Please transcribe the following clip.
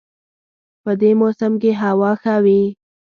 په دې موسم کې هوا ښه وي